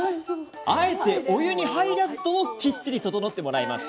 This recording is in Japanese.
あえてお湯に入らずともきっちり整ってもらいます。